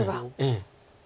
ええ。